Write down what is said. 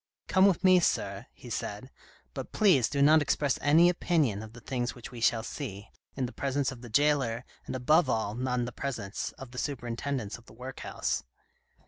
" Come with me, sir," he said, " but please do not express any opinion of the things which we shall see, in the presence of the jailer, and above all not in the presence of the superintendents of the workhouse."